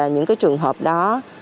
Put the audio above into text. những trường hợp đó